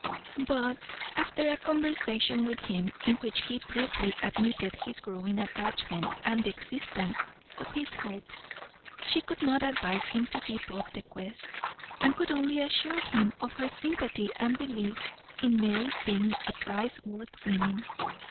But after a conversation with him, in which he briefly admitted his growing attachment and the existence of his hopes, she could not advise him to give up the quest, and could only assure him of her sympathy and belief in Mary's being a prize worth winning.